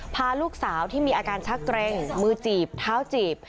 พาลูกสาวที่มีอาการชักเกร็งมือจีบเท้าจีบ